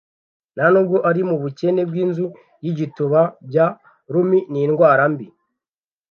Ntanubwo ari mubukene bwinzu yigituba by rum nindwara mbi,